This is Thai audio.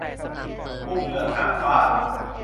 กุ้งเหลืองหางฟ้า